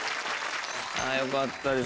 よかったです